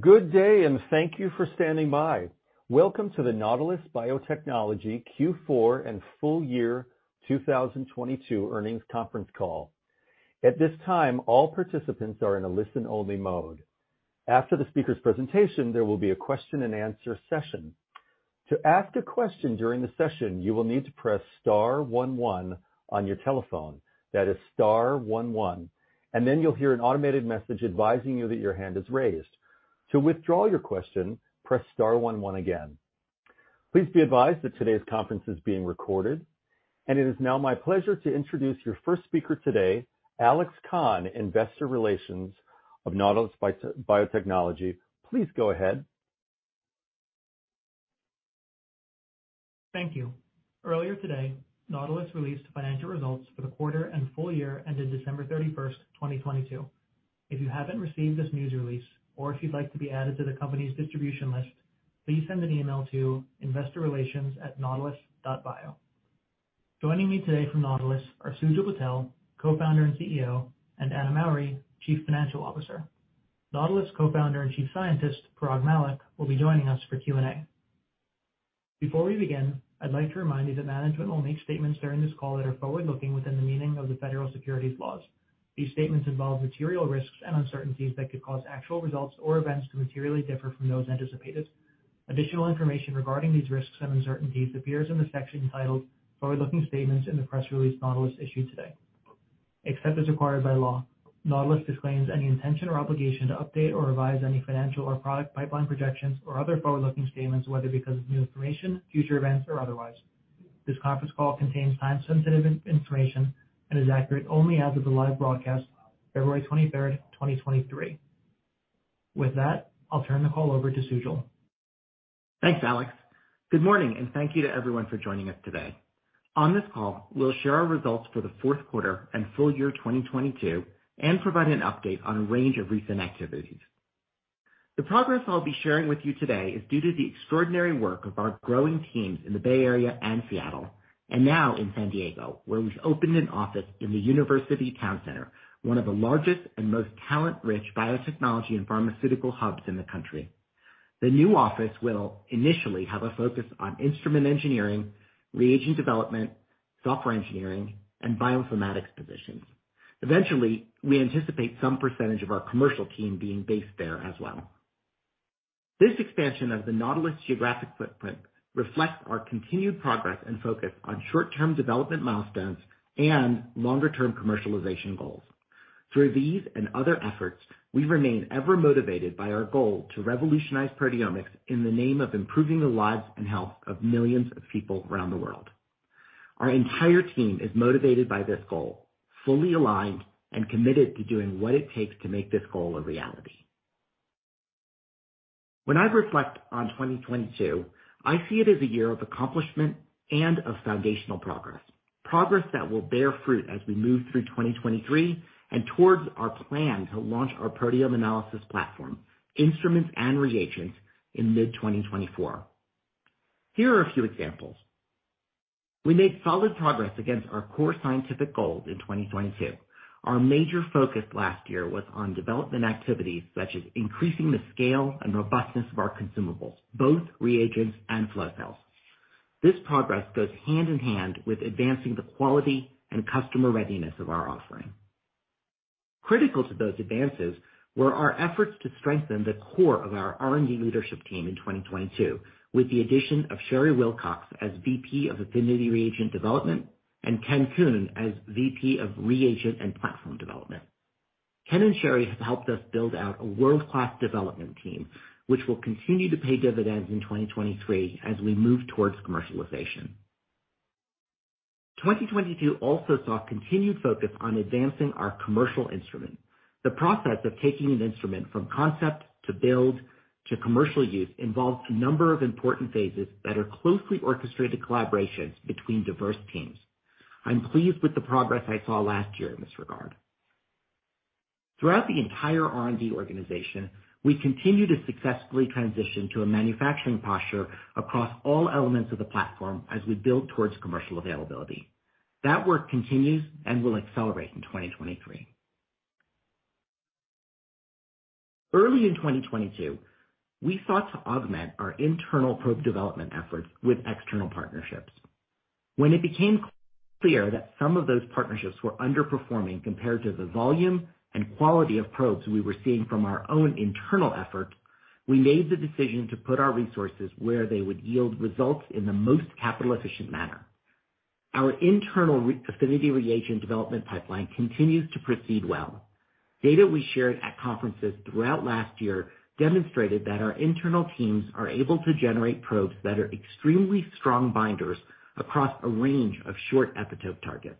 Good day. Thank you for standing by. Welcome to the Nautilus Biotechnology Q4 and full year 2022 earnings conference call. At this time, all participants are in a listen-only mode. After the speaker's presentation, there will be a question-and-answer session. To ask a question during the session, you will need to press star one one on your telephone. That is star one one. Then you'll hear an automated message advising you that your hand is raised. To withdraw your question, press star one one again. Please be advised that today's conference is being recorded. It is now my pleasure to introduce your first speaker today, Alex Kahn, Investor Relations of Nautilus Biotechnology. Please go ahead. Thank you. Earlier today, Nautilus released financial results for the quarter and full year ended December 31st, 2022. If you haven't received this news release or if you'd like to be added to the company's distribution list, please send an email to investorrelations@nautilus.bio. Joining me today from Nautilus are Sujal Patel, Co-founder and CEO, and Anna Mowbray, Chief Financial Officer. Nautilus Co-founder and Chief Scientist, Parag Mallick, will be joining us for Q&A. Before we begin, I'd like to remind you that management will make statements during this call that are forward-looking within the meaning of the Federal Securities Laws. These statements involve material risks and uncertainties that could cause actual results or events to materially differ from those anticipated. Additional information regarding these risks and uncertainties appears in the section entitled Forward-Looking Statements in the press release Nautilus issued today. Except as required by law, Nautilus disclaims any intention or obligation to update or revise any financial or product pipeline projections or other forward-looking statements, whether because of new information, future events or otherwise. This conference call contains time-sensitive information and is accurate only as of the live broadcast, February 23rd, 2023. With that, I'll turn the call over to Sujal. Thanks, Alex. Good morning, and thank you to everyone for joining us today. On this call, we'll share our results for the fourth quarter and full year 2022 and provide an update on a range of recent activities. The progress I'll be sharing with you today is due to the extraordinary work of our growing teams in the Bay Area and Seattle, and now in San Diego, where we've opened an office in the University Town Center, one of the largest and most talent-rich biotechnology and pharmaceutical hubs in the country. The new office will initially have a focus on instrument engineering, reagent development, software engineering, and bioinformatics positions. Eventually, we anticipate some percentage of our commercial team being based there as well. This expansion of the Nautilus geographic footprint reflects our continued progress and focus on short-term development milestones and longer-term commercialization goals. Through these and other efforts, we remain ever motivated by our goal to revolutionize proteomics in the name of improving the lives and health of millions of people around the world. Our entire team is motivated by this goal, fully aligned and committed to doing what it takes to make this goal a reality. When I reflect on 2022, I see it as a year of accomplishment and of foundational progress that will bear fruit as we move through 2023 and towards our plan to launch our proteome analysis platform, instruments and reagents, in mid-2024. Here are a few examples. We made solid progress against our core scientific goals in 2022. Our major focus last year was on development activities, such as increasing the scale and robustness of our consumables, both reagents and flow cells. This progress goes hand in hand with advancing the quality and customer readiness of our offering. Critical to those advances were our efforts to strengthen the core of our R&D leadership team in 2022, with the addition of Sheri Wilcox as VP of Affinity Reagent Development and Ken Khoo as VP of Reagent and Platform Development. Ken and Sheri have helped us build out a world-class development team, which will continue to pay dividends in 2023 as we move towards commercialization. 2022 also saw continued focus on advancing our commercial instrument. The process of taking an instrument from concept to build to commercial use involves a number of important phases that are closely orchestrated collaborations between diverse teams. I'm pleased with the progress I saw last year in this regard. Throughout the entire R&D organization, we continue to successfully transition to a manufacturing posture across all elements of the platform as we build towards commercial availability. That work continues and will accelerate in 2023. Early in 2022, we sought to augment our internal probe development efforts with external partnerships. When it became clear that some of those partnerships were underperforming compared to the volume and quality of probes we were seeing from our own internal effort, we made the decision to put our resources where they would yield results in the most capital efficient manner. Our internal re-affinity reagent development pipeline continues to proceed well. Data we shared at conferences throughout last year demonstrated that our internal teams are able to generate probes that are extremely strong binders across a range of short epitope targets.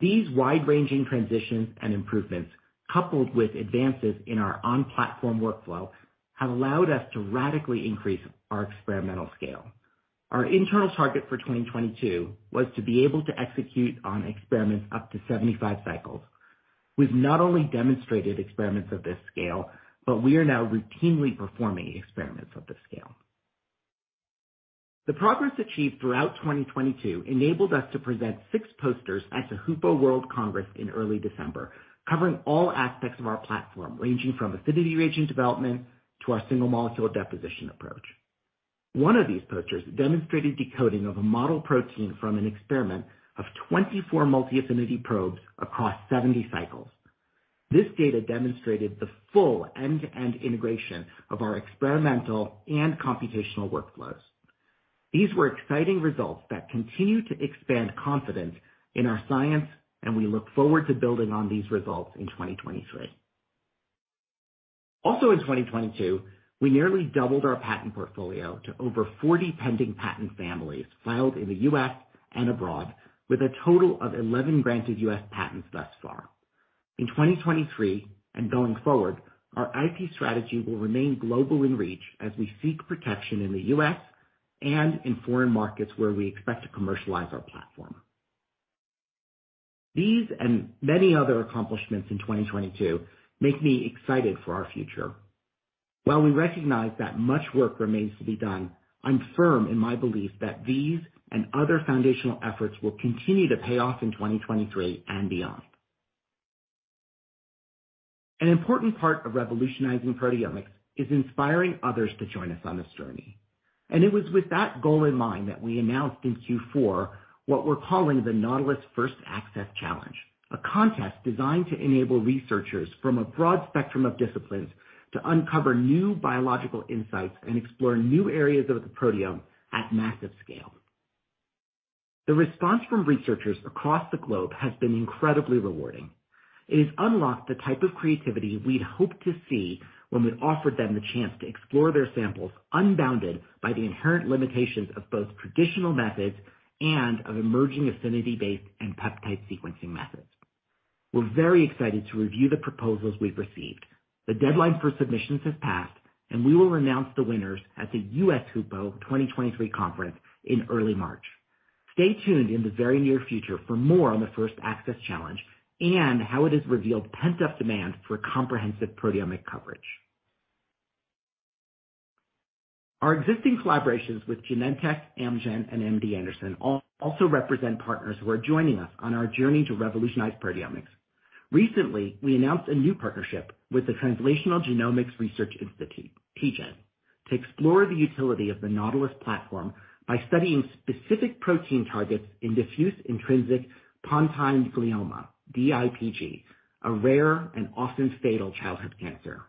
These wide-ranging transitions and improvements, coupled with advances in our on-platform workflow, have allowed us to radically increase our experimental scale. Our internal target for 2022 was to be able to execute on experiments up to 75 cycles. We've not only demonstrated experiments of this scale, but we are now routinely performing experiments of this scale. The progress achieved throughout 2022 enabled us to present six posters at the HUPO World Congress in early December, covering all aspects of our platform, ranging from affinity reagent development to our single molecule deposition approach. One of these posters demonstrated decoding of a model protein from an experiment of 24 multi-affinity probes across 70 cycles. This data demonstrated the full end-to-end integration of our experimental and computational workflows. These were exciting results that continue to expand confidence in our science, and we look forward to building on these results in 2023. In 2022, we nearly doubled our patent portfolio to over 40 pending patent families filed in the U.S. and abroad, with a total of 11 granted U.S. patents thus far. In 2023 and going forward, our IP strategy will remain global in reach as we seek protection in the U.S. and in foreign markets where we expect to commercialize our platform. These and many other accomplishments in 2022 make me excited for our future. We recognize that much work remains to be done, I'm firm in my belief that these and other foundational efforts will continue to pay off in 2023 and beyond. An important part of revolutionizing proteomics is inspiring others to join us on this journey. It was with that goal in mind that we announced in Q4 what we're calling the Nautilus First Access Challenge, a contest designed to enable researchers from a broad spectrum of disciplines to uncover new biological insights and explore new areas of the proteome at massive scale. The response from researchers across the globe has been incredibly rewarding. It has unlocked the type of creativity we'd hoped to see when we offered them the chance to explore their samples unbounded by the inherent limitations of both traditional methods and of emerging affinity-based and peptide sequencing methods. We're very excited to review the proposals we've received. The deadline for submissions has passed, and we will announce the winners at the US HUPO 2023 conference in early March. Stay tuned in the very near future for more on the First Access Challenge and how it has revealed pent-up demand for comprehensive proteomic coverage. Our existing collaborations with Genentech, Amgen, and MD Anderson also represent partners who are joining us on our journey to revolutionize proteomics. Recently, we announced a new partnership with the Translational Genomics Research Institute, TGen, to explore the utility of the Nautilus platform by studying specific protein targets in diffuse intrinsic pontine glioma, DIPG, a rare and often fatal childhood cancer.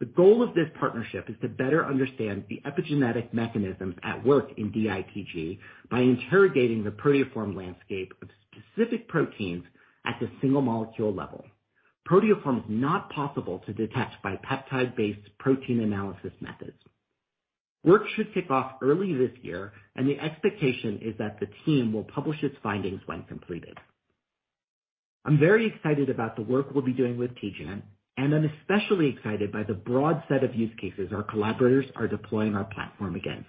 The goal of this partnership is to better understand the epigenetic mechanisms at work in DIPG by interrogating the proteoform landscape of specific proteins at the single molecule level, proteoforms not possible to detect by peptide-based protein analysis methods. Work should kick off early this year, and the expectation is that the team will publish its findings when completed. I'm very excited about the work we'll be doing with TGen, and I'm especially excited by the broad set of use cases our collaborators are deploying our platform against.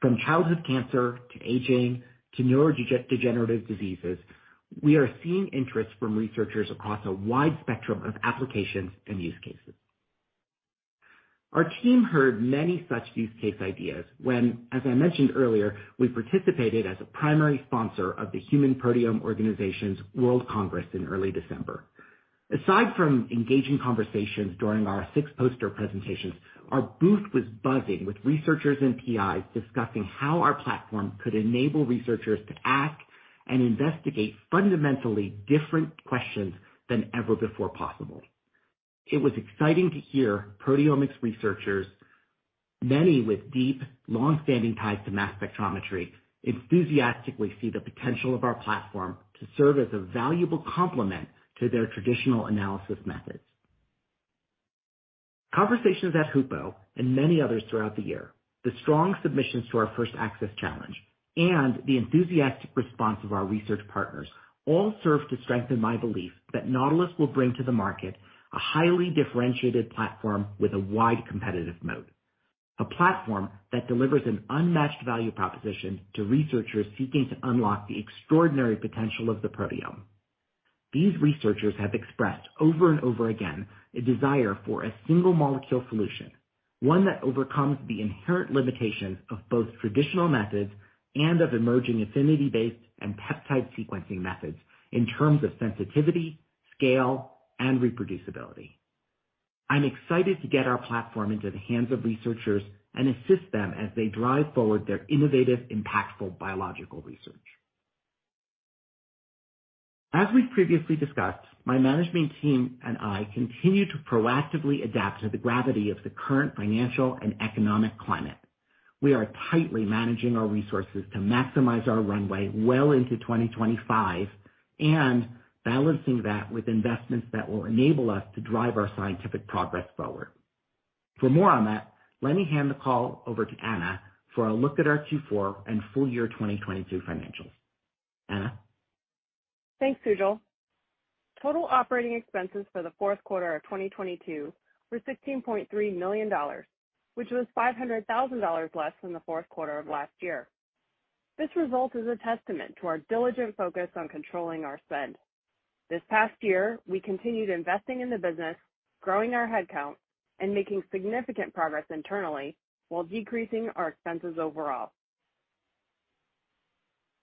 From childhood cancer to aging to neurodegenerative diseases, we are seeing interest from researchers across a wide spectrum of applications and use cases. Our team heard many such use case ideas when, as I mentioned earlier, we participated as a primary sponsor of the Human Proteome Organization's World Congress in early December. Aside from engaging conversations during our six poster presentations, our booth was buzzing with researchers and PIs discussing how our platform could enable researchers to ask and investigate fundamentally different questions than ever before possible. It was exciting to hear proteomics researchers, many with deep, long-standing ties to mass spectrometry, enthusiastically see the potential of our platform to serve as a valuable complement to their traditional analysis methods. Conversations at HUPO and many others throughout the year, the strong submissions to our First Access Challenge, and the enthusiastic response of our research partners all serve to strengthen my belief that Nautilus will bring to the market a highly differentiated platform with a wide competitive moat, a platform that delivers an unmatched value proposition to researchers seeking to unlock the extraordinary potential of the proteome. These researchers have expressed over and over again a desire for a single molecule solution, one that overcomes the inherent limitations of both traditional methods and of emerging affinity-based and peptide sequencing methods in terms of sensitivity, scale, and reproducibility. I'm excited to get our platform into the hands of researchers and assist them as they drive forward their innovative, impactful biological research. As we've previously discussed, my management team and I continue to proactively adapt to the gravity of the current financial and economic climate. We are tightly managing our resources to maximize our runway well into 2025 and balancing that with investments that will enable us to drive our scientific progress forward. For more on that, let me hand the call over to Anna for a look at our Q4 and full year 2022 financials. Anna? Thanks, Sujal. Total operating expenses for the fourth quarter of 2022 were $16.3 million, which was $500,000 less than the fourth quarter of last year. This result is a testament to our diligent focus on controlling our spend. This past year, we continued investing in the business, growing our headcount, and making significant progress internally while decreasing our expenses overall.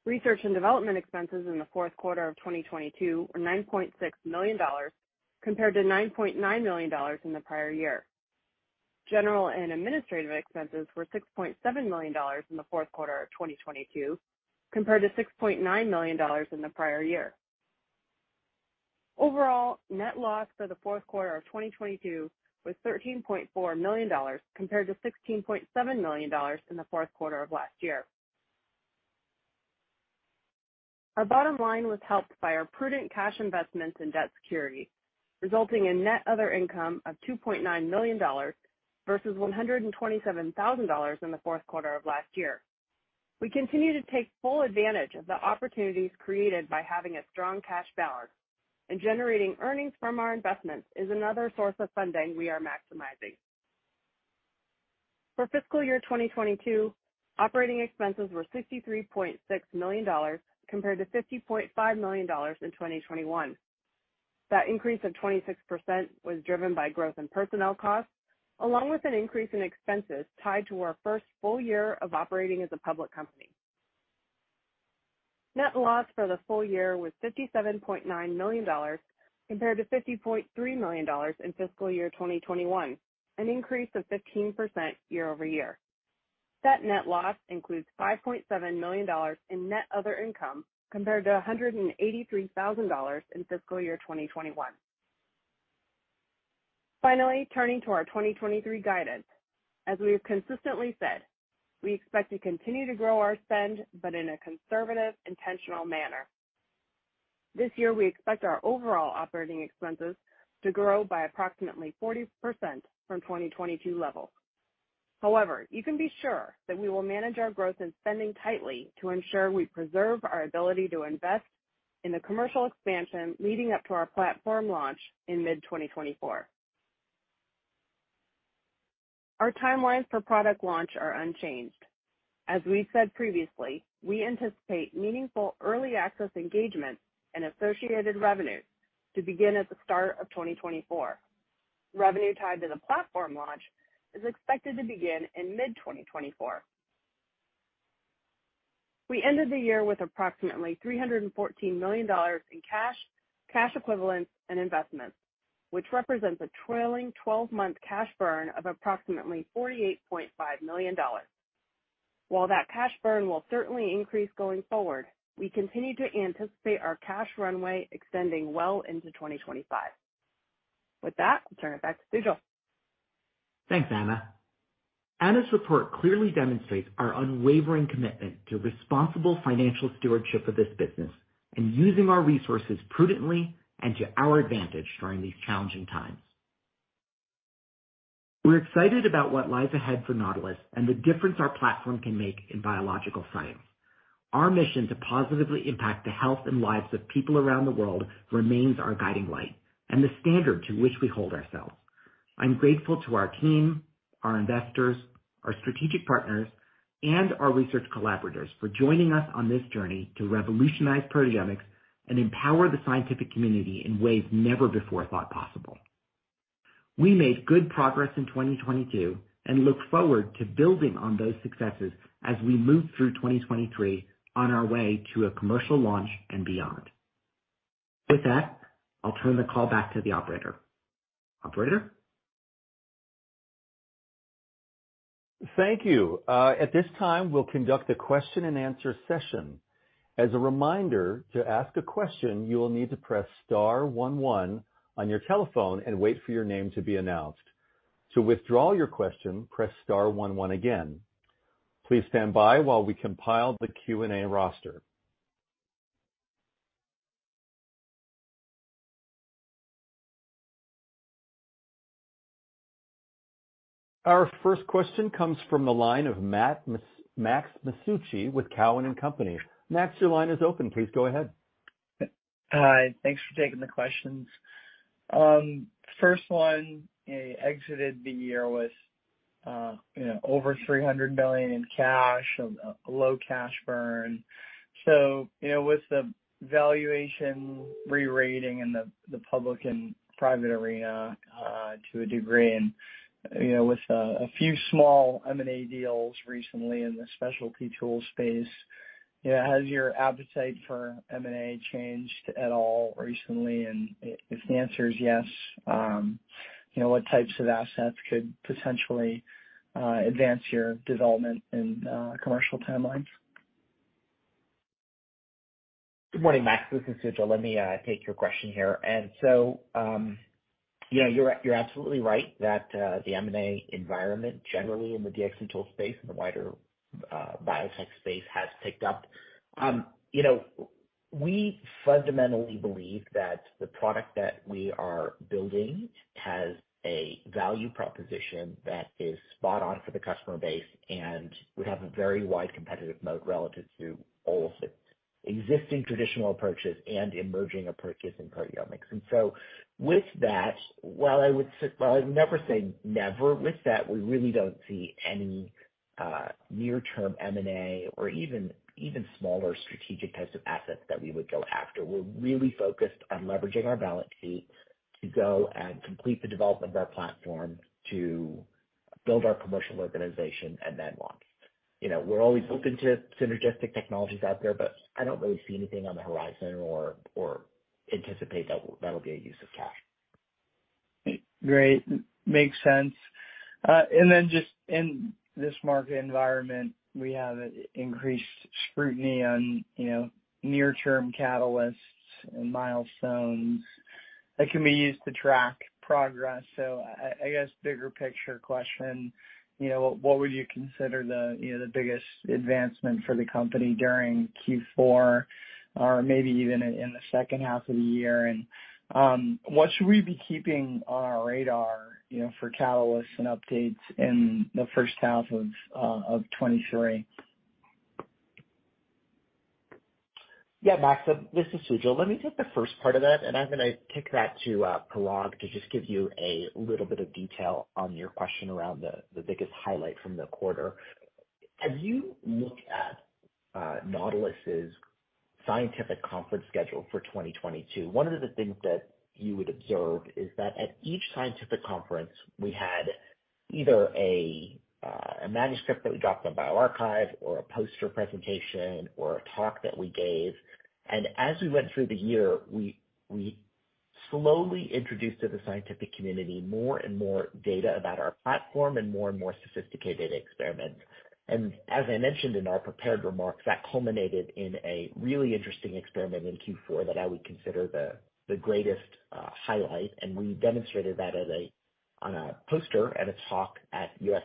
Research and development expenses in the fourth quarter of 2022 were $9.6 million compared to $9.9 million in the prior year. General and administrative expenses were $6.7 million in the fourth quarter of 2022 compared to $6.9 million in the prior year. Overall, net loss for the fourth quarter of 2022 was $13.4 million compared to $16.7 million in the fourth quarter of last year. Our bottom line was helped by our prudent cash investments in debt security, resulting in net other income of $2.9 million versus $127,000 in the fourth quarter of last year. We continue to take full advantage of the opportunities created by having a strong cash balance, and generating earnings from our investments is another source of funding we are maximizing. For fiscal year 2022, operating expenses were $63.6 million compared to $50.5 million in 2021. That increase of 26% was driven by growth in personnel costs, along with an increase in expenses tied to our first full year of operating as a public company. Net loss for the full year was $57.9 million, compared to $50.3 million in fiscal year 2021, an increase of 15% year-over-year. That net loss includes $5.7 million in net other income compared to $183,000 in fiscal year 2021. Finally, turning to our 2023 guidance. As we have consistently said, we expect to continue to grow our spend, but in a conservative, intentional manner. This year, we expect our overall operating expenses to grow by approximately 40% from 2022 levels. However, you can be sure that we will manage our growth and spending tightly to ensure we preserve our ability to invest in the commercial expansion leading up to our platform launch in mid-2024. Our timelines for product launch are unchanged. As we've said previously, we anticipate meaningful early access engagement and associated revenues to begin at the start of 2024. Revenue tied to the platform launch is expected to begin in mid-2024. We ended the year with approximately $314 million in cash equivalents, and investments, which represents a trailing 12-month cash burn of approximately $48.5 million. While that cash burn will certainly increase going forward, we continue to anticipate our cash runway extending well into 2025. With that, I'll turn it back to Sujal. Thanks, Anna. Anna's report clearly demonstrates our unwavering commitment to responsible financial stewardship of this business and using our resources prudently and to our advantage during these challenging times. We're excited about what lies ahead for Nautilus and the difference our platform can make in biological science. Our mission to positively impact the health and lives of people around the world remains our guiding light and the standard to which we hold ourselves. I'm grateful to our team, our investors, our strategic partners, and our research collaborators for joining us on this journey to revolutionize proteomics and empower the scientific community in ways never before thought possible. We made good progress in 2022 and look forward to building on those successes as we move through 2023 on our way to a commercial launch and beyond. With that, I'll turn the call back to the operator. Operator? Thank you. At this time, we'll conduct a question and answer session. As a reminder, to ask a question, you will need to press star one one on your telephone and wait for your name to be announced. To withdraw your question, press star one one again. Please stand by while we compile the Q&A roster. Our first question comes from the line of Max Masucci with Cowen and Company. Max, your line is open. Please go ahead. Hi, thanks for taking the questions. First one, you exited the year with, you know, over $300 million in cash, a low cash burn. You know, with the valuation re-rating in the public and private arena, to a degree and, you know, with a few small M&A deals recently in the specialty tools space, you know, has your appetite for M&A changed at all recently? If the answer is yes, you know, what types of assets could potentially advance your development and commercial timelines? Good morning, Max, this is Sujal. Let me take your question here. You know, you're absolutely right that the M&A environment generally in the Diagnostics tool space and the wider biotech space has picked up. You know, we fundamentally believe that the product that we are building has a value proposition that is spot on for the customer base, and we have a very wide competitive moat relative to all six existing traditional approaches and emerging approaches in proteomics. With that, while I would while I would never say never, with that, we really don't see any near-term M&A or even smaller strategic types of assets that we would go after. We're really focused on leveraging our balance sheet to go and complete the development of our platform to build our commercial organization and then launch. You know, we're always open to synergistic technologies out there, but I don't really see anything on the horizon or anticipate that'll be a use of cash. Great. Makes sense. Then just in this market environment, we have increased scrutiny on, you know, near-term catalysts and milestones that can be used to track progress. I guess, bigger picture question, you know, what would you consider the, you know, the biggest advancement for the company during Q4 or maybe even in the second half of the year? What should we be keeping on our radar, you know, for catalysts and updates in the first half of 2023? Yeah, Max, this is Sujal. Let me take the first part of that, and I'm gonna kick that to Parag to just give you a little bit of detail on your question around the biggest highlight from the quarter. As you look at Nautilus' scientific conference schedule for 2022, one of the things that you would observe is that at each scientific conference, we had either a manuscript that we dropped on bioRxiv or a poster presentation or a talk that we gave. As we went through the year, we slowly introduced to the scientific community more and more data about our platform and more and more sophisticated experiments. As I mentioned in our prepared remarks, that culminated in a really interesting experiment in Q4 that I would consider the greatest highlight. We demonstrated that as on a poster at a talk at U.S.,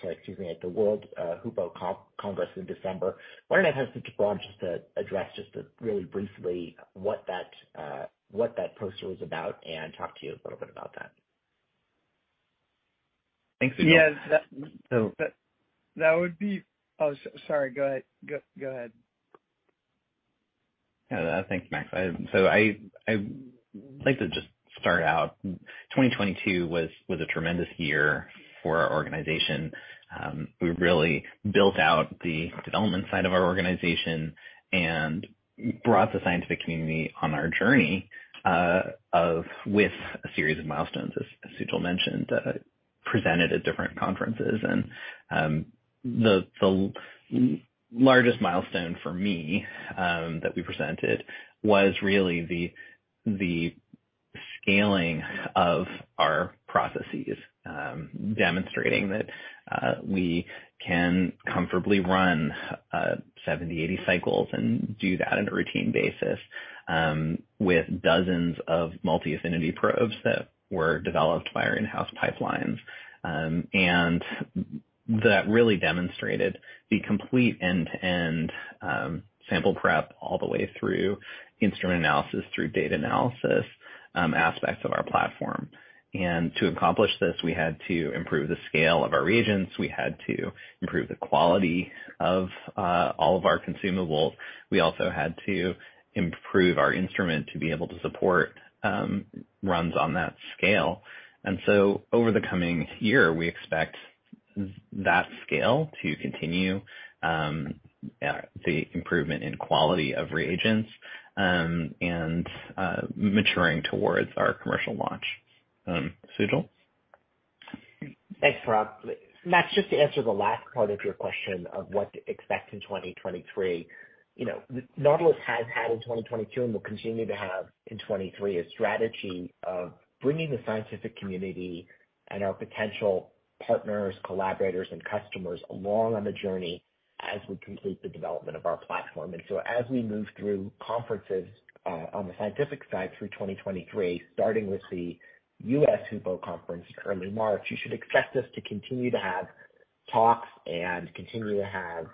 sorry, excuse me, at the World HUPO Congress in December. Why don't I ask Parag just to address really briefly what that poster was about and talk to you a little bit about that. Thanks, Sujal. Yeah. So- That would be... Oh, sorry, go ahead. Yeah. Thank you, Max. I like to just start out, 2022 was a tremendous year for our organization. We really built out the development side of our organization and brought the scientific community on our journey with a series of milestones, as Sujal mentioned, presented at different conferences. The largest milestone for me that we presented was really the scaling of our processes, demonstrating that we can comfortably run 70, 80 cycles and do that on a routine basis with dozens of multi-affinity probes that were developed by our in-house pipelines. That really demonstrated the complete end-to-end sample prep all the way through instrument analysis, through data analysis, aspects of our platform. To accomplish this, we had to improve the scale of our reagents. We had to improve the quality of all of our consumables. We also had to improve our instrument to be able to support runs on that scale. Over the coming year, we expect that scale to continue, the improvement in quality of reagents, and maturing towards our commercial launch. Sujal. Thanks, Parag. Max, just to answer the last part of your question of what to expect in 2023, you know, Nautilus has had in 2022 and will continue to have in 2023, a strategy of bringing the scientific community and our potential partners, collaborators and customers along on the journey as we complete the development of our platform. As we move through conferences on the scientific side through 2023, starting with the US HUPO conference early March, you should expect us to continue to have talks and continue to have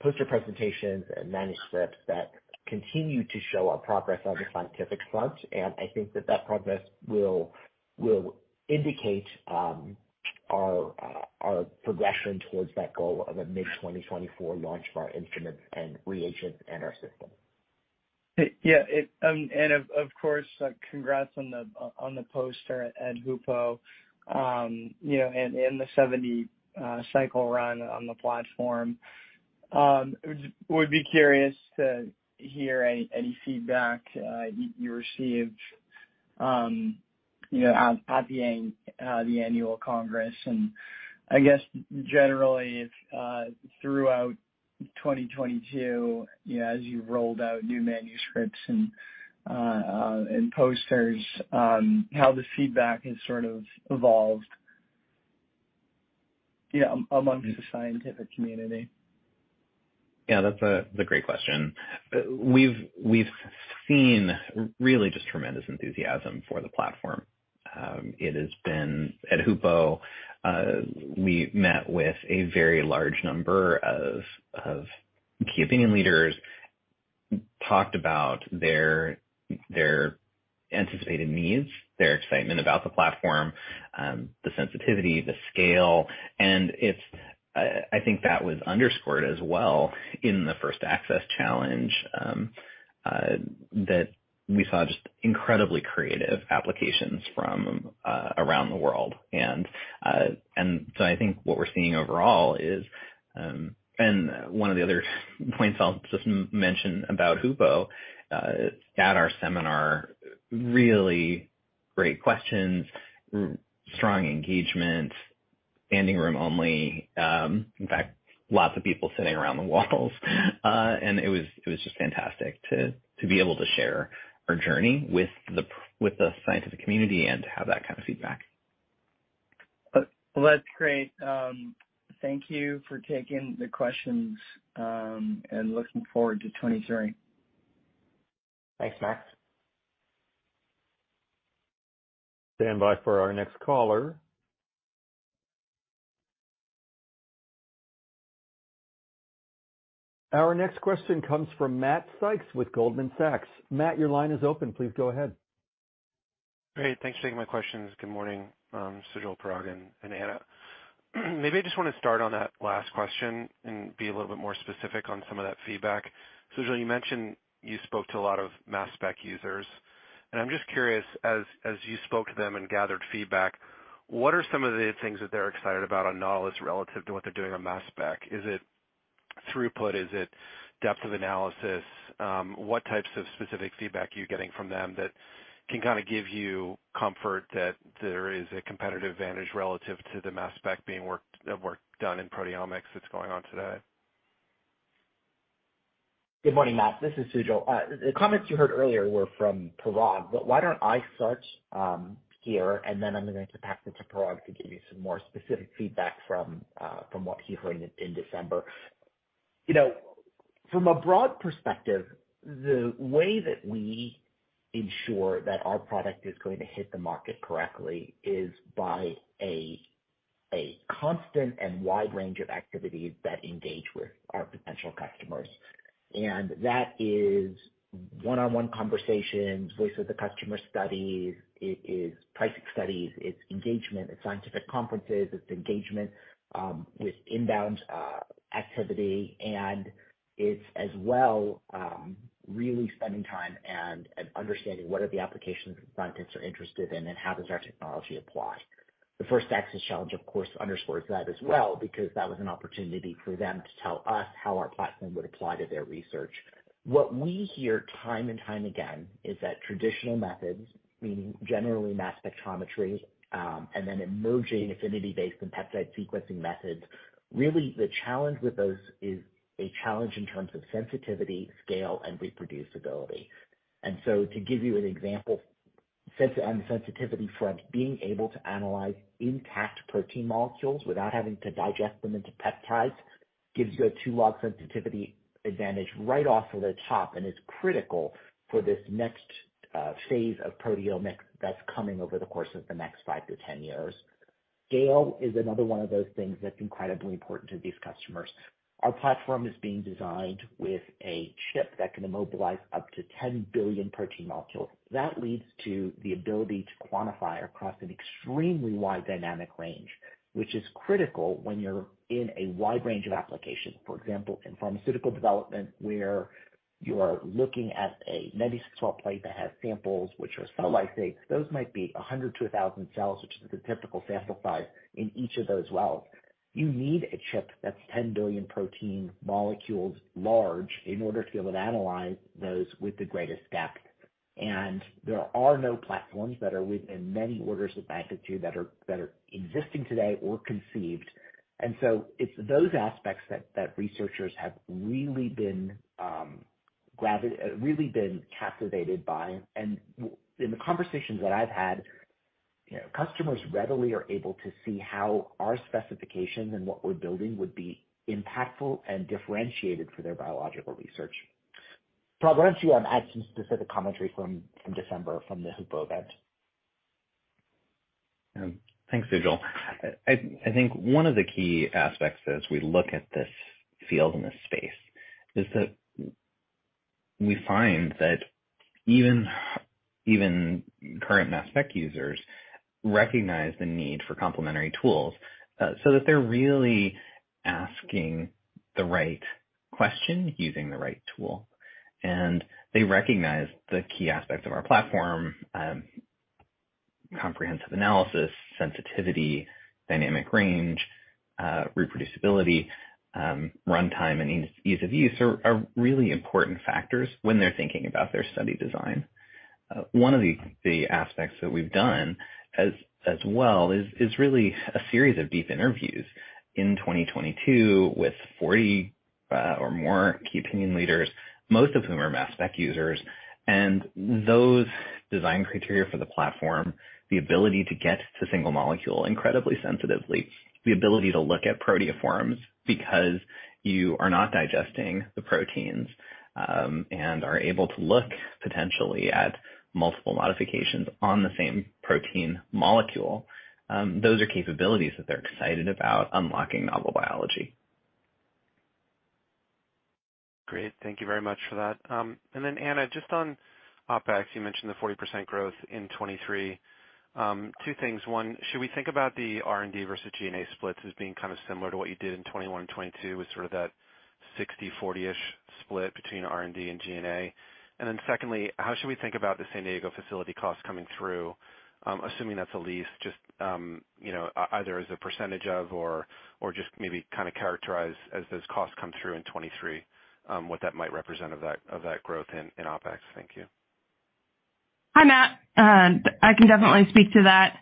poster presentations and manuscripts that continue to show our progress on the scientific front. I think that that progress will indicate our progression towards that goal of a mid-2024 launch of our instruments and reagents and our system. Yeah, of course, congrats on the poster at HUPO, you know, and in the 70 cycle run on the platform. Would be curious to hear any feedback you received, you know, at the annual Congress. I guess generally if throughout 2022, you know, as you rolled out new manuscripts and posters, how the feedback has sort of evolved, you know, amongst the scientific community. Yeah, that's a great question. We've seen really just tremendous enthusiasm for the platform. At HUPO, we met with a very large number of key opinion leaders, talked about their. Anticipated needs, their excitement about the platform, the sensitivity, the scale, I think that was underscored as well in the Nautilus First Access Challenge that we saw just incredibly creative applications from around the world. I think what we're seeing overall is One of the other points I'll just mention about HUPO at our seminar, really great questions, strong engagement, standing room only, in fact, lots of people sitting around the walls. It was just fantastic to be able to share our journey with the scientific community and to have that kind of feedback. That's great. Thank you for taking the questions, and looking forward to 2023. Thanks, Max. Standby for our next caller. Our next question comes from Matt Sykes with Goldman Sachs. Matt, your line is open. Please go ahead. Great. Thanks for taking my questions. Good morning, Sujal, Parag, and Anna. Maybe I just want to start on that last question and be a little bit more specific on some of that feedback. Sujal, you mentioned you spoke to a lot of mass spec users, and I'm just curious, as you spoke to them and gathered feedback, what are some of the things that they're excited about on Nautilus relative to what they're doing on mass spec? Is it throughput? Is it depth of analysis? What types of specific feedback are you getting from them that can kind of give you comfort that there is a competitive advantage relative to the mass spec work done in proteomics that's going on today? Good morning, Matt. This is Sujal. The comments you heard earlier were from Parag, but why don't I start here, and then I'm going to pass it to Parag to give you some more specific feedback from what he heard in December. You know, from a broad perspective, the way that we ensure that our product is going to hit the market correctly is by a constant and wide range of activities that engage with our potential customers. That is one-on-one conversations, voice of the customer studies. It is pricing studies, it's engagement, it's scientific conferences, it's engagement with inbound activity, and it's as well really spending time and understanding what are the applications scientists are interested in and how does our technology apply. The First Access Challenge, of course, underscores that as well because that was an opportunity for them to tell us how our platform would apply to their research. What we hear time and time again is that traditional methods, meaning generally mass spectrometry, and then emerging affinity-based and peptide sequencing methods, really the challenge with those is a challenge in terms of sensitivity, scale, and reproducibility. To give you an example, on the sensitivity front, being able to analyze intact protein molecules without having to digest them into peptides gives you a two-log sensitivity advantage right off of the top and is critical for this next phase of proteomics that's coming over the course of the next 5-10 years. Scale is another one of those things that's incredibly important to these customers. Our platform is being designed with a chip that can immobilize up to 10 billion protein molecules. That leads to the ability to quantify across an extremely wide dynamic range, which is critical when you're in a wide range of applications. For example, in pharmaceutical development, where you're looking at a 96 well plate that has samples which are cell lysates, those might be 100 to 1,000 cells, which is the typical sample size in each of those wells. You need a chip that's 10 billion protein molecules large in order to be able to analyze those with the greatest depth. There are no platforms that are within many orders of magnitude that are existing today or conceived. It's those aspects that researchers have really been captivated by. In the conversations that I've had, you know, customers readily are able to see how our specifications and what we're building would be impactful and differentiated for their biological research. Parag, why don't you add some specific commentary from December from the HUPO event? Thanks, Sujal. I think one of the key aspects as we look at this field and this space is that we find that even current mass spec users recognize the need for complementary tools, so that they're really asking the right question using the right tool. They recognize the key aspects of our platform, comprehensive analysis, sensitivity, dynamic range, reproducibility, runtime, and ease of use are really important factors when they're thinking about their study design. One of the aspects that we've done as well is really a series of deep interviews in 2022 with 40 or more Key Opinion Leaders, most of whom are mass spec users. Those design criteria for the platform, the ability to get to single molecule incredibly sensitively, the ability to look at proteoforms because you are not digesting the proteins, and are able to look potentially at multiple modifications on the same protein molecule, those are capabilities that they're excited about unlocking novel biology. Great. Thank you very much for that. Anna, just on OpEx, you mentioned the 40% growth in 2023. Two things. One, should we think about the R&D versus G&A splits as being kind of similar to what you did in 2021 and 2022 with sort of that 60%, 40%-ish split between R&D and G&A? Secondly, how should we think about the San Diego facility costs coming through, assuming that's a lease, just, you know, either as a percentage of or just maybe kind of characterize as those costs come through in 2023, what that might represent of that growth in OpEx. Thank you. Hi, Matt. I can definitely speak to that.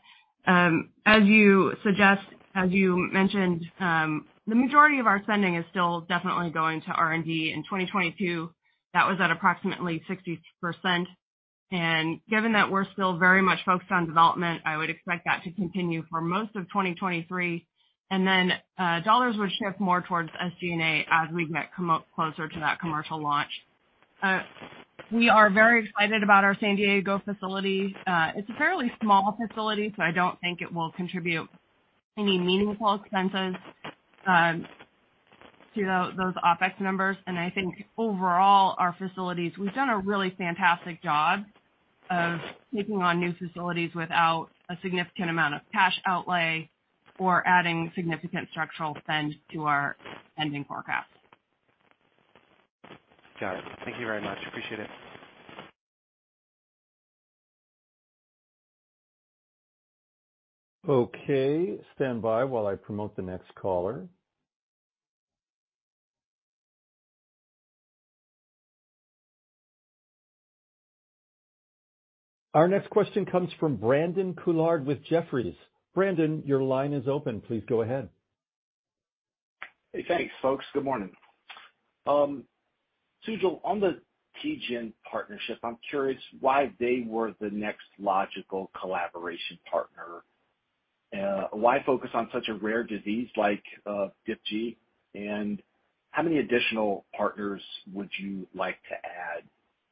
As you suggest, as you mentioned, the majority of our spending is still definitely going to R&D. In 2022, that was at approximately 60%. Given that we're still very much focused on development, I would expect that to continue for most of 2023, then dollars would shift more towards SG&A as we get closer to that commercial launch. We are very excited about our San Diego facility. It's a fairly small facility, so I don't think it will contribute any meaningful expenses to those OpEx numbers. I think overall, our facilities, we've done a really fantastic job of taking on new facilities without a significant amount of cash outlay or adding significant structural spend to our spending forecast. Got it. Thank you very much. Appreciate it. Stand by while I promote the next caller. Our next question comes from Brandon Couillard with Jefferies. Brandon, your line is open. Please go ahead. Hey, thanks, folks. Good morning. Sujal, on the TGen partnership, I'm curious why they were the next logical collaboration partner. Why focus on such a rare disease like DIPG? How many additional partners would you like to add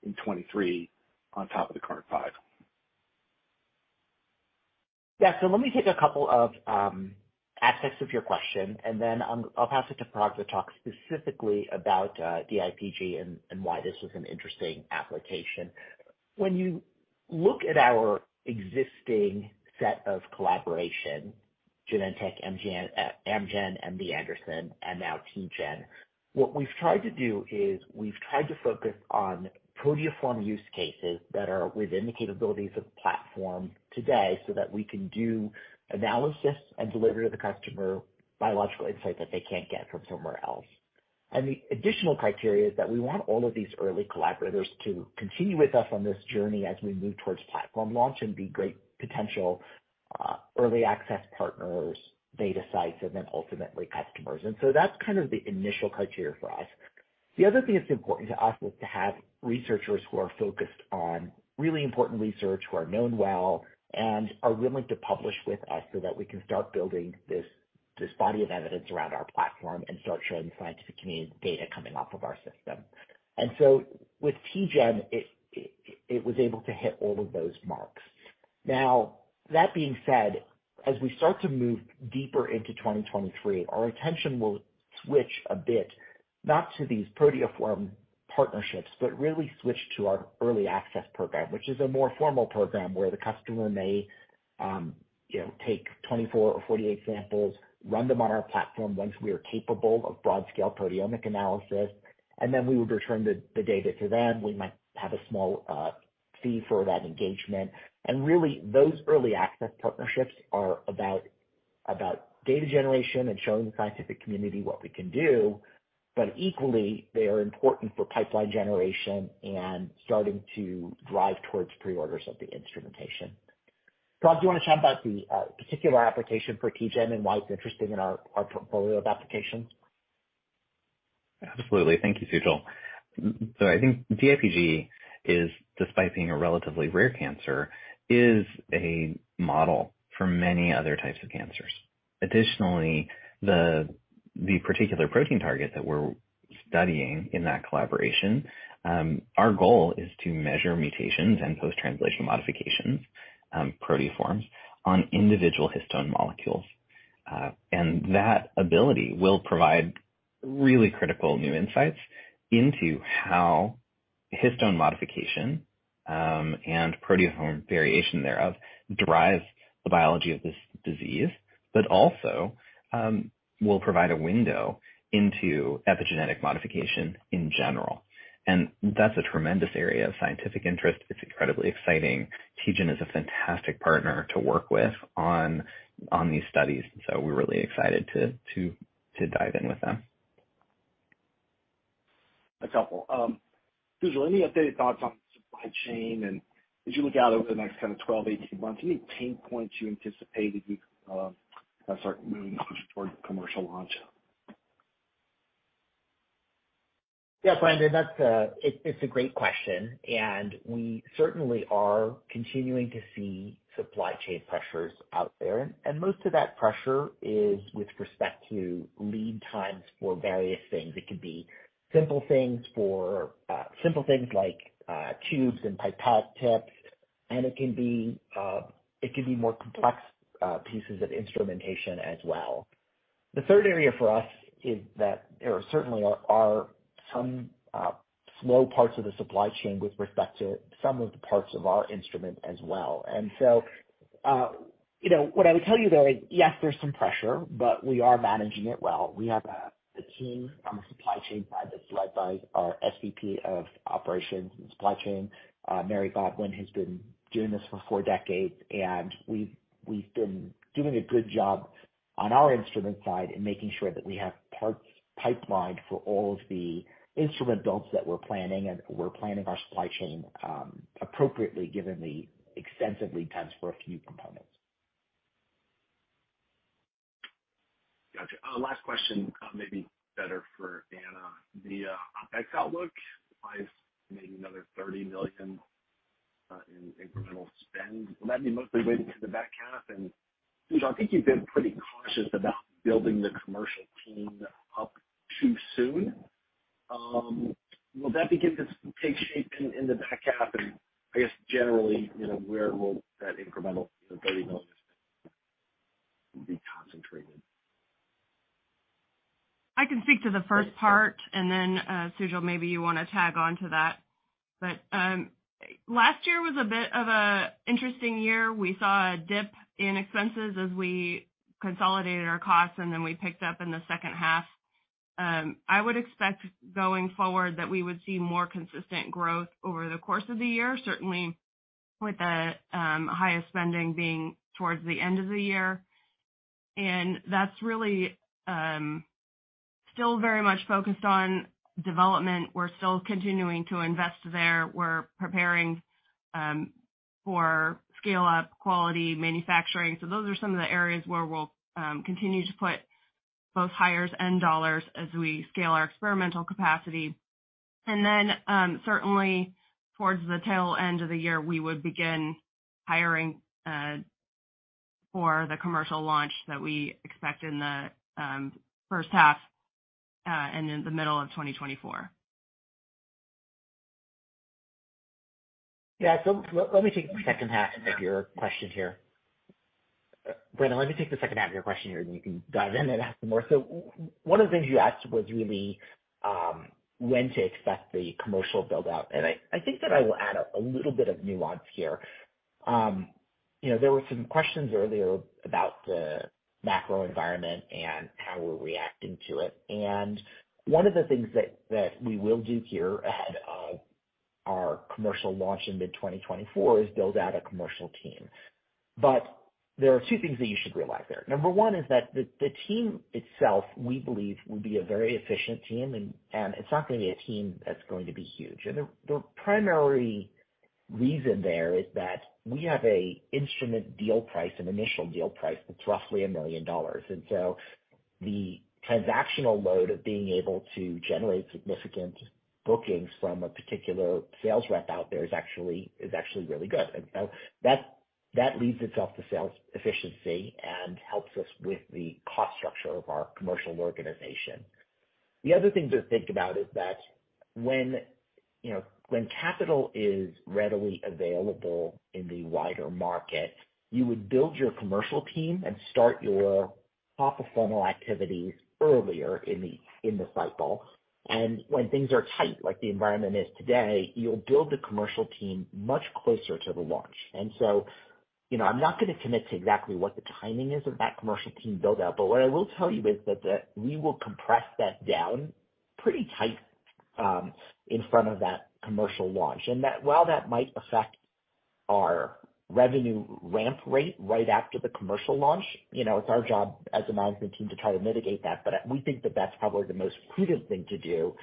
in 23 on top of the current five? Yeah. Let me take a couple of aspects of your question, and then I'll pass it to Parag to talk specifically about DIPG and why this is an interesting application. When you look at our existing set of collaboration, Genentech, Amgen, MD Anderson, and now TGen, what we've tried to do is we've tried to focus on proteoform use cases that are within the capabilities of the platform today, so that we can do analysis and deliver to the customer biological insight that they can't get from somewhere else. The additional criteria is that we want all of these early collaborators to continue with us on this journey as we move towards platform launch and be great potential early access partners, beta sites, and then ultimately customers. That's kind of the initial criteria for us. The other thing that's important to us is to have researchers who are focused on really important research, who are known well and are willing to publish with us so that we can start building this body of evidence around our platform and start showing the scientific community data coming off of our system. With TGen, it was able to hit all of those marks. That being said, as we start to move deeper into 2023, our attention will switch a bit, not to these proteoform partnerships, but really switch to our early access program, which is a more formal program where the customer may, you know, take 24 or 48 samples, run them on our platform once we are capable of broad-scale proteomic analysis, and then we would return the data to them. We might have a small fee for that engagement. Really, those early access partnerships are about data generation and showing the scientific community what we can do. Equally, they are important for pipeline generation and starting to drive towards pre-orders of the instrumentation. Parag, do you wanna chat about the particular application for TGen and why it's interesting in our portfolio of applications? Absolutely. Thank you, Sujal. I think DIPG is, despite being a relatively rare cancer, is a model for many other types of cancers. Additionally, the particular protein target that we're studying in that collaboration, our goal is to measure mutations and post-translational modifications, proteoforms, on individual histone molecules. That ability will provide really critical new insights into how histone modification, and proteoform variation thereof derives the biology of this disease, but also will provide a window into epigenetic modification in general. That's a tremendous area of scientific interest. It's incredibly exciting. TGen is a fantastic partner to work with on these studies, so we're really excited to dive in with them. A couple. Sujal, any updated thoughts on supply chain? As you look out over the next kind of 12, 18 months, any pain points you anticipate as you kind of start moving closer toward commercial launch? Yeah, Brandon, that's a great question, and we certainly are continuing to see supply chain pressures out there. Most of that pressure is with respect to lead times for various things. It could be simple things for simple things like tubes and pipette tips. It can be more complex pieces of instrumentation as well. The third area for us is that there certainly are some slow parts of the supply chain with respect to some of the parts of our instrument as well. you know, what I would tell you though is, yes, there's some pressure, but we are managing it well. We have a team on the supply chain side that's led by our SVP of Operations and Supply Chain. Mary Godwin has been doing this for four decades, and we've been doing a good job on our instrument side in making sure that we have parts pipelined for all of the instrument builds that we're planning, and we're planning our supply chain, appropriately given the extensive lead times for a few components. Gotcha. Last question, maybe better for Anna. The OpEx outlook, maybe another $30 million in incremental spend. Will that be mostly weighted to the back half? Sujal, I think you've been pretty cautious about building the commercial team up too soon. Will that begin to take shape in the back half? I guess generally, you know, where will that incremental, you know, $30 million spend be concentrated? I can speak to the first part and then Sujal, maybe you wanna tag on to that. Last year was a bit of a interesting year. We saw a dip in expenses as we consolidated our costs and then we picked up in the second half. I would expect going forward that we would see more consistent growth over the course of the year, certainly with the highest spending being towards the end of the year. That's really still very much focused on development. We're still continuing to invest there. We're preparing for scale-up quality manufacturing. Those are some of the areas where we'll continue to put both hires and dollars as we scale our experimental capacity. Certainly towards the tail end of the year, we would begin hiring for the commercial launch that we expect in the first half, and in the middle of 2024. Yeah. Let me take the second half of your question here. Brandon, let me take the second half of your question here. You can dive in and ask some more. One of the things you asked was really, when to expect the commercial build out. I think that I will add a little bit of nuance here. You know, there were some questions earlier about the macro environment and how we're reacting to it. One of the things that we will do here ahead of our commercial launch in mid-2024 is build out a commercial team. There are two things that you should realize there. Number one is that the team itself, we believe, will be a very efficient team and it's not gonna be a team that's going to be huge. The, the primary reason there is that we have a instrument deal price, an initial deal price that's roughly $1 million. The transactional load of being able to generate significant bookings from a particular sales rep out there is actually really good. You know, that lends itself to sales efficiency and helps us with the cost structure of our commercial organization. The other thing to think about is that when, you know, when capital is readily available in the wider market, you would build your commercial team and start your top of funnel activities earlier in the, in the cycle. When things are tight, like the environment is today, you'll build a commercial team much closer to the launch. You know, I'm not gonna commit to exactly what the timing is of that commercial team build-out, but what I will tell you is that we will compress that down pretty tight in front of that commercial launch. While that might affect our revenue ramp rate right after the commercial launch, you know, it's our job as a management team to try to mitigate that. We think that that's probably the most prudent thing to do,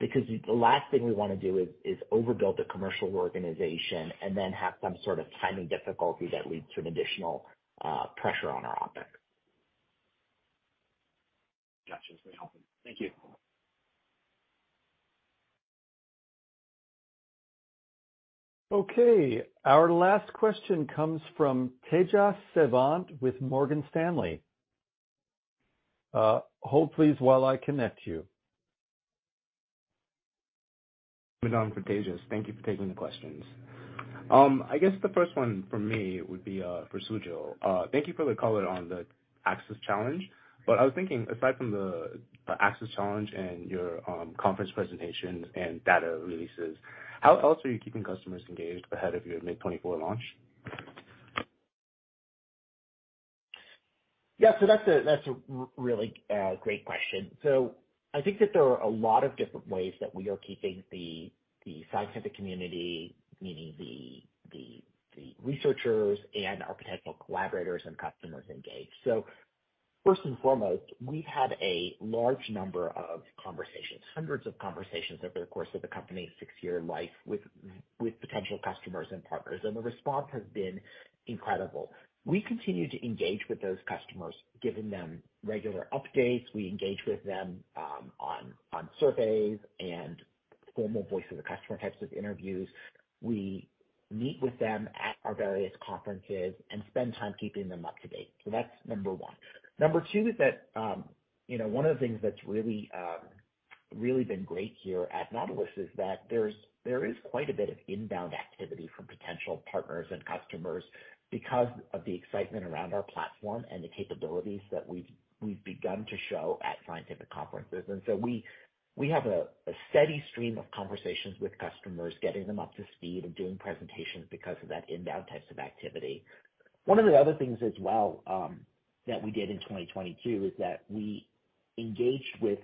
because the last thing we wanna do is overbuild a commercial organization and then have some sort of timing difficulty that leads to an additional pressure on our OpEx. Gotcha. It's been helpful. Thank you. Okay. Our last question comes from Tejas Savant with Morgan Stanley. Hold please while I connect you. With Tejas. Thank you for taking the questions. I guess the first one from me would be for Sujal. Thank you for the color on the access challenge. I was thinking, aside from the access challenge and your, conference presentations and data releases, how else are you keeping customers engaged ahead of your mid-2024 launch? That's a really great question. I think that there are a lot of different ways that we are keeping the scientific community, meaning the researchers and our potential collaborators and customers engaged. First and foremost, we've had a large number of conversations, hundreds of conversations over the course of the company's six-year life with potential customers and partners, and the response has been incredible. We continue to engage with those customers, giving them regular updates. We engage with them on surveys and formal voice of the customer types of interviews. We meet with them at our various conferences and spend time keeping them up to date. That's number 1. Number two is that, you know, one of the things that's really been great here at Nautilus is that there is quite a bit of inbound activity from potential partners and customers because of the excitement around our platform and the capabilities that we've begun to show at scientific conferences. We, we have a steady stream of conversations with customers, getting them up to speed and doing presentations because of that inbound types of activity. One of the other things as well that we did in 2022 is that we engaged with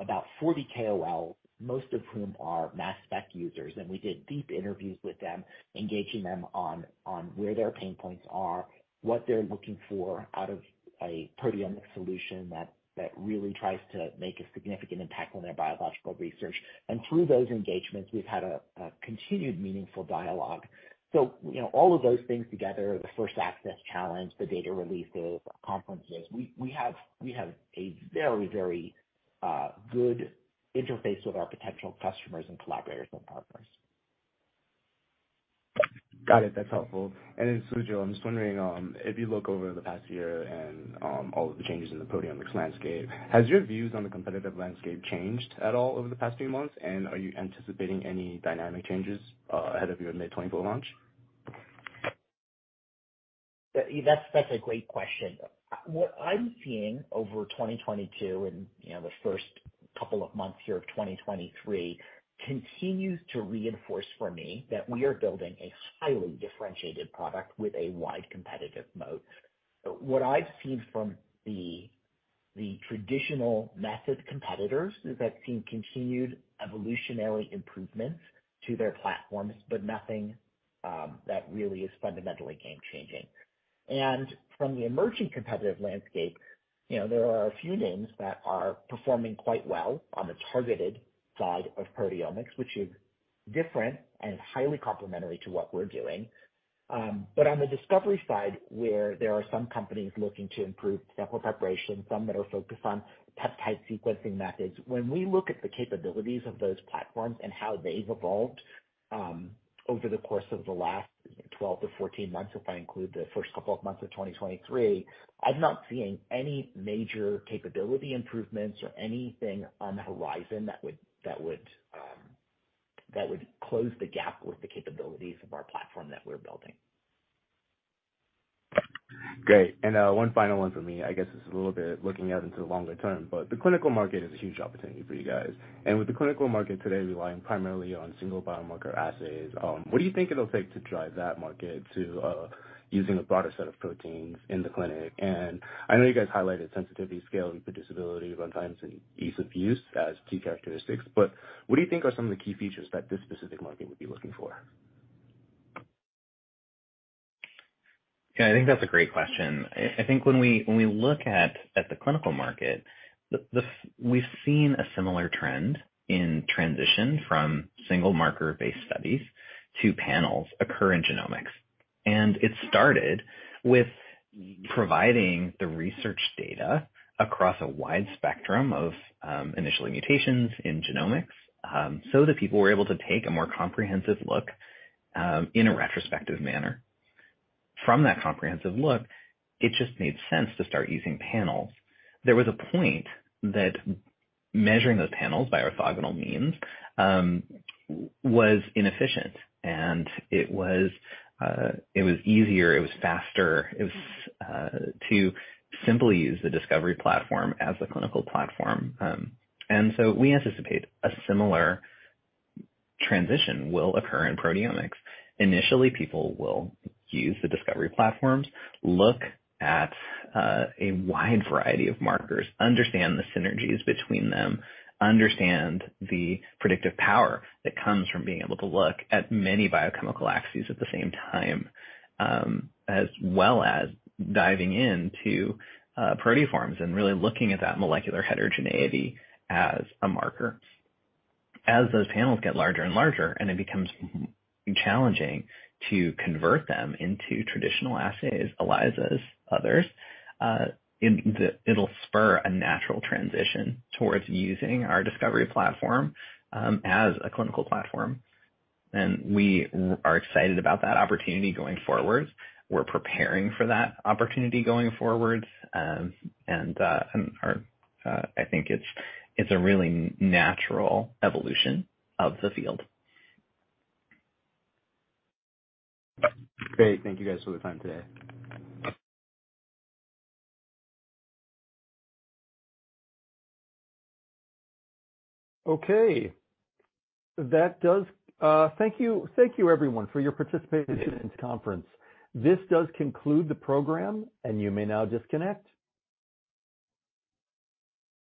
about 40 KOLs, most of whom are mass spec users, and we did deep interviews with them, engaging them on where their pain points are, what they're looking for out of a proteomics solution that really tries to make a significant impact on their biological research. Through those engagements, we've had a continued meaningful dialogue. You know, all of those things together, the First Access Challenge, the data releases, conferences, we have a very good interface with our potential customers and collaborators and partners. Got it. That's helpful. Sujal, I'm just wondering, if you look over the past year and, all of the changes in the proteomics landscape, has your views on the competitive landscape changed at all over the past few months? Are you anticipating any dynamic changes, ahead of your mid-2024 launch? That's a great question. What I'm seeing over 2022 and, you know, the first couple of months here of 2023 continues to reinforce for me that we are building a highly differentiated product with a wide competitive moat. What I've seen from the traditional method competitors is I've seen continued evolutionary improvements to their platforms, but nothing that really is fundamentally game changing. From the emerging competitive landscape, you know, there are a few names that are performing quite well on the targeted side of proteomics, which is different and highly complementary to what we're doing. On the discovery side, where there are some companies looking to improve sample preparation, some that are focused on peptide sequencing methods, when we look at the capabilities of those platforms and how they've evolved, over the course of the last 12 to 14 months, if I include the first couple of months of 2023, I'm not seeing any major capability improvements or anything on the horizon that would close the gap with the capabilities of our platform that we're building. Great. One final one for me, I guess it's a little bit looking out into the longer term, but the clinical market is a huge opportunity for you guys. With the clinical market today relying primarily on single biomarker assays, what do you think it'll take to drive that market to using a broader set of proteins in the clinic? I know you guys highlighted sensitivity, scale, and producibility, run times, and ease of use as key characteristics, but what do you think are some of the key features that this specific market would be looking for? Yeah, I think that's a great question. I think when we look at the clinical market, we've seen a similar trend in transition from single marker-based studies to panels occur in genomics. It started with providing the research data across a wide spectrum of initially mutations in genomics, so that people were able to take a more comprehensive look in a retrospective manner. From that comprehensive look, it just made sense to start using panels. There was a point that measuring those panels by orthogonal means was inefficient, and it was easier, it was faster to simply use the discovery platform as a clinical platform. So we anticipate a similar transition will occur in proteomics. Initially, people will use the discovery platforms, look at a wide variety of markers, understand the synergies between them, understand the predictive power that comes from being able to look at many biochemical axes at the same time, as well as diving into proteoforms and really looking at that molecular heterogeneity as a marker. As those panels get larger and larger and it becomes challenging to convert them into traditional assays, ELISAs, others, it'll spur a natural transition towards using our discovery platform as a clinical platform. We are excited about that opportunity going forward. We're preparing for that opportunity going forward. I think it's a really natural evolution of the field. Great. Thank you guys for the time today. Okay. Thank you everyone for your participation in today's conference. This does conclude the program, and you may now disconnect.